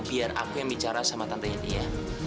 biar aku yang bicara sama tante indi ya